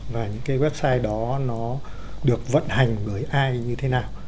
và những cái website đó nó được vận hành với ai như thế nào